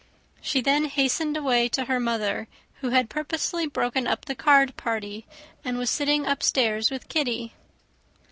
She then hastened away to her mother, who had purposely broken up the card party, and was sitting upstairs with Kitty.